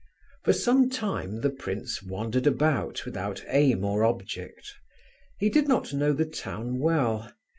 For some time the prince wandered about without aim or object. He did not know the town well.